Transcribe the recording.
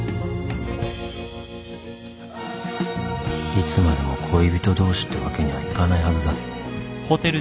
いつまでも恋人同士ってわけにはいかないはずだ